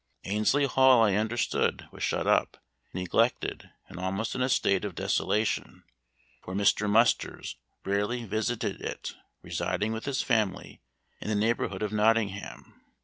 Annesley Hall I understood was shut up, neglected, and almost in a state of desolation; for Mr. Musters rarely visited it, residing with his family in the neighborhood of Nottingham.